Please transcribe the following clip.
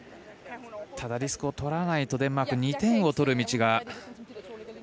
ただ、リスクをとらないとデンマーク２点を取る道が。